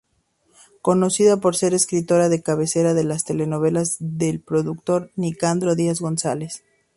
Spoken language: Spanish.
Conocida por ser escritora de cabecera de las telenovelas del productor Nicandro Díaz González.